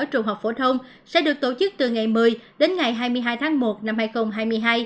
trung học phổ thông sẽ được tổ chức từ ngày một mươi đến ngày hai mươi hai tháng một năm hai nghìn hai mươi hai